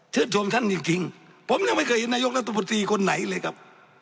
ชมท่านจริงผมยังไม่เคยเห็นนายกรัฐมนตรีคนไหนเลยครับ